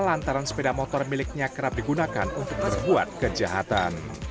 lantaran sepeda motor miliknya kerap digunakan untuk berbuat kejahatan